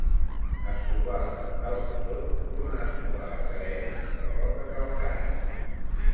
Es trobava dalt de tot d'una esmolada carena de roca calcària